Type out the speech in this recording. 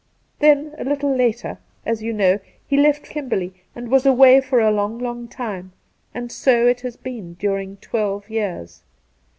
Then a little later, as you know, he left Kimberley, and was away for a long, long time, and so it has been during twelve years.